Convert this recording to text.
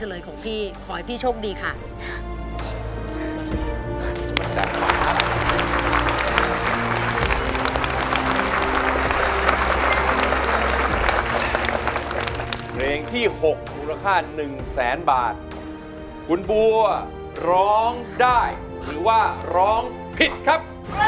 เพลงที่๖มูลค่า๑แสนบาทคุณบัวร้องได้หรือว่าร้องผิดครับ